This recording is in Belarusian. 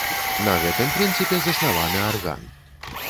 На гэтым прынцыпе заснаваны арган.